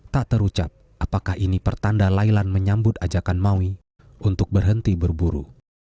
tak terucap apakah ini pertanda lailan menyambut ajakan maui untuk berhenti berburu